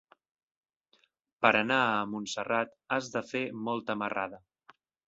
Per anar a Montserrat has de fer molta marrada.